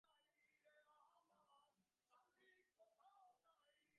তবুও কোথায় যেন একটা ক্ষীণ অস্বস্তি থাকে।